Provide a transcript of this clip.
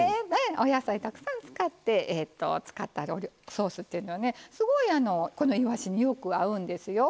お野菜をたくさん使ったソースっていうのはいわしによく合うんですよ。